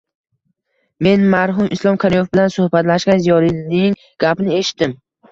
Men marhum Islom Karimov bilan suhbatlashgan ziyolining gapini eshitdim: